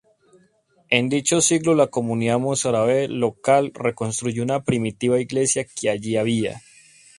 En dicho siglo la comunidad mozárabe local reconstruyó una primitiva iglesia que allí había.